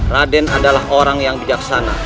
raden adalah orang yang bijaksana